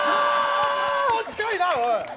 近いな、おい。